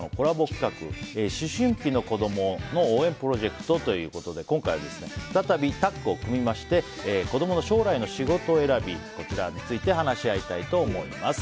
企画思春期の子供の応援プロジェクトということで今回は再びタッグを組みまして子供の将来の仕事選びについて話し合いたいと思います。